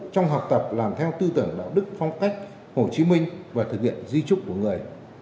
trong học tập làm theo tư tưởng đạo đức phong cách hồ chí minh và thực hiện di trúc của người